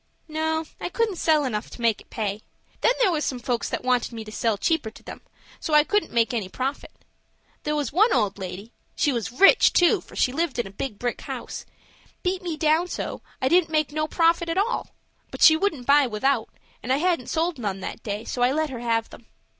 "No, I couldn't sell enough to make it pay. Then there was some folks that wanted me to sell cheaper to them; so I couldn't make any profit. There was one old lady—she was rich, too, for she lived in a big brick house—beat me down so, that I didn't make no profit at all; but she wouldn't buy without, and I hadn't sold none that day; so I let her have them.